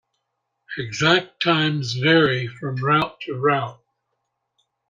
Exact times vary from route to route.